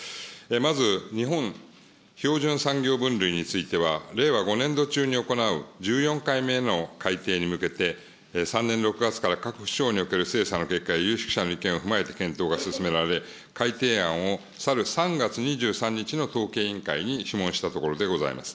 まず、日本標準産業分類については、令和５年度中に行う１４回目の改定に向けて３年６月から各省における精査や有識者の意見を踏まえて検討が進められ、改定案をさる３月２３日の統計委員会に諮問したところでございます。